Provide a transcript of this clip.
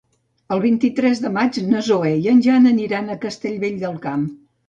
El vint-i-tres de maig na Zoè i en Jan aniran a Castellvell del Camp.